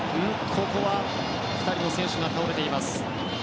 ここは、２人の選手が倒れています。